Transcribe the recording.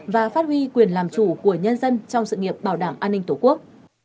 và phát huy quyền làm chủ của nhân dân trong sự nghiệp bảo đảm an ninh tổ quốc